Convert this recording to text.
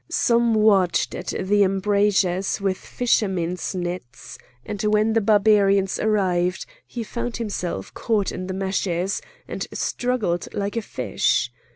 Some watched at the embrasures with fisherman's nets, and when the Barbarian arrived he found himself caught in the meshes, and struggled like a fish.